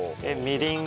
みりん。